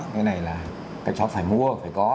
cái này là các chó phải mua phải có